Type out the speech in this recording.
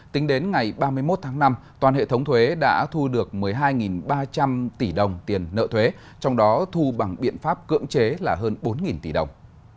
tính đến ngày ba mươi một tháng năm toàn hệ thống thuế đã thu được một mươi hai ba trăm linh tỷ đồng tiền nợ thuế trong đó thu bằng biện pháp cưỡng chế là hơn bốn tỷ đồng